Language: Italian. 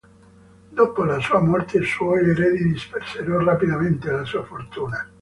Dopo la sua morte suoi eredi dispersero rapidamente la sua fortuna.